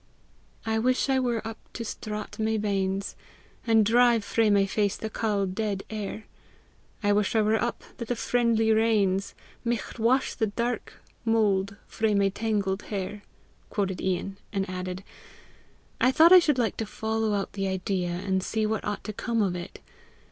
"I wish I were up to straught my banes, And drive frae my face the cauld, dead air; I wish I were up, that the friendly rains Micht wash the dark mould frae my tangled hair!" quoted Ian, and added, "I thought I should like to follow out the idea, and see what ought to come of it.